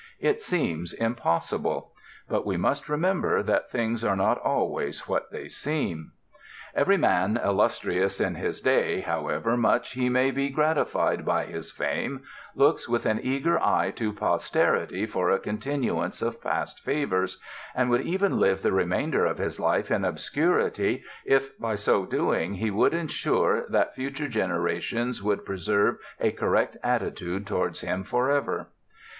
It seems impossible. But we must remember that things are not always what they seem. Every man illustrious in his day, however much he may be gratified by his fame, looks with an eager eye to posterity for a continuance of past favors, and would even live the remainder of his life in obscurity if by so doing he could insure that future generations would preserve a correct attitude towards him forever.